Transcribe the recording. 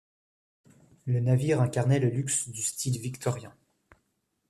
Le navire incarnait le luxe du style victorien.